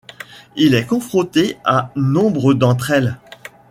Il est confronté à nombre d'entre elles.